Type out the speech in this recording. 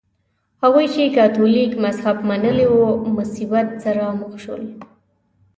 هغوی چې کاتولیک مذهب منلی و مصیبت سره مخ شول.